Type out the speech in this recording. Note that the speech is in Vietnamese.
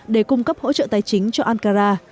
để cung cấp hỗ trợ tài chính cho ankara